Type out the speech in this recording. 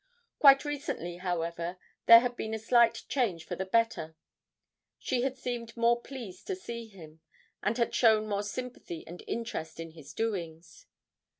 Quite recently, however, there had been a slight change for the better; she had seemed more pleased to see him, and had shown more sympathy and interest in his doings.